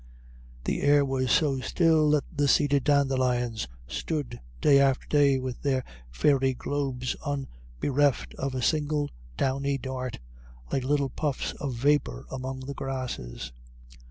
The air was so still that the seeded dandelions stood day after day with their fairy globes unbereft of a single downy dart, like little puffs of vapour among the grasses.